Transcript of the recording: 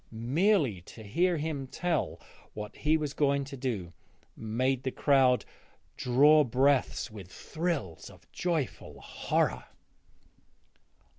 Merely to hear him tell what he was going to do made the crowd draw breath with thrills of joyful horror.